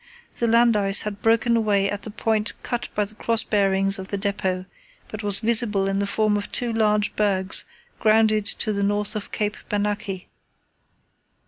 The land ice had broken away at the point cut by the cross bearings of the depot, but was visible in the form of two large bergs grounded to the north of Cape Bernacchi.